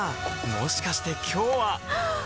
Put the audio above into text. もしかして今日ははっ！